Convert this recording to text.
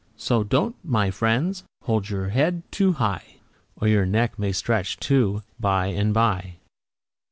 So don't, my friends, hold your head too high, Or your neck may stretch, too, by and by.